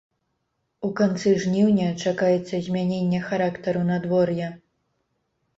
У канцы жніўня чакаецца змяненне характару надвор'я.